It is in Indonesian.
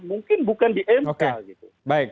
mungkin bukan diensal gitu